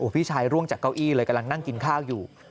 พี่ชายร่วงจากเก้าอี้เลยกำลังนั่งกินข้าวอยู่